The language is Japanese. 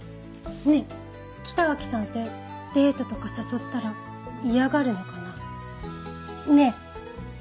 ねぇ北脇さんってデートとか誘ったら嫌がるのかな？ねぇ！